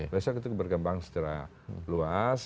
besok itu berkembang secara luas